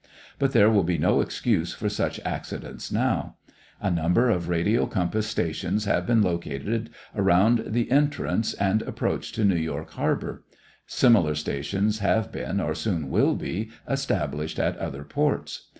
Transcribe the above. But there will be no excuse for such accidents now. A number of radio compass stations have been located around the entrance and approach to New York Harbor. Similar stations have been, or soon will be, established at other ports.